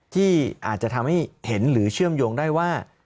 ที่อาจจะทำให้เห็นหรือเชื่อมโยงได้ว่า